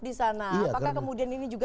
di sana apakah kemudian ini juga